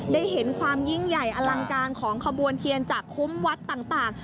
ได้เห็นความยิ่งใหญ่อลังการของขบวนเทียนจากคุ้มวัดต่าง